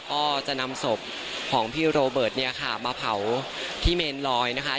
ก็จะนำศพของพี่โรเบิร์ตเนี่ยค่ะมาเผาที่เมนลอยนะคะ